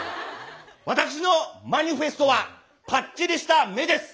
「私のマニフェストは『ぱっちりした目』です」。